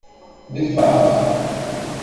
De fato